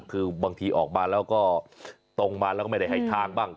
คือบางทีออกมาแล้วก็ตรงมาแล้วก็ไม่ได้ให้ทางบ้าง